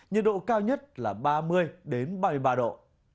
nhiệt độ cao nhất là ba mươi ba mươi ba độ